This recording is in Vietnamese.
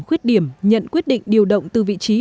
khuyết điểm nhận quyết định điều động từ vị trí